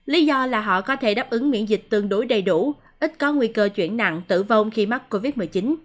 lý do là họ có thể đáp ứng miễn dịch tương đối đầy đủ ít có nguy cơ chuyển nặng tử vong khi mắc covid một mươi chín